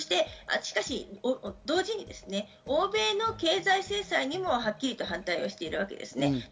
しかし、同時に欧米の経済制裁にもはっきりと反対をしているわけです。